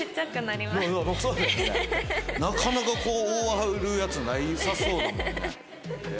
なかなかこう覆えるやつなさそうだもんね。